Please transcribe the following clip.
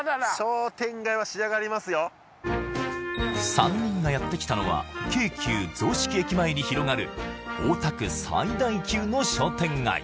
３人がやってきたのは京急雑色駅前に広がる大田区最大級の商店街